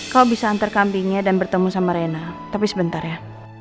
kau bisa antar kampingi dan bertemu sama rena tapi sebentar ya